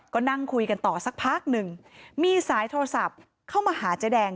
ก็นั่งคุยกันต่อสักพักหนึ่งมีสายโทรศัพท์เข้ามาหาเจ๊แดง